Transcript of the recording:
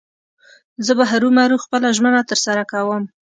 زه به هرو مرو خپله ژمنه تر سره کوم.